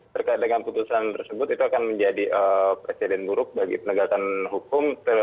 terkait dengan putusan tersebut itu akan menjadi presiden buruk bagi penegakan hukum